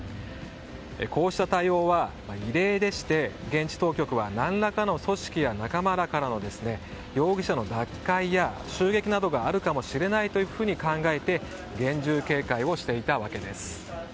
こうした対応は異例でして現地当局は何らかの組織や仲間らからの容疑者の奪回や襲撃などがあるかもしれないと考えて厳重警戒をしていたわけです。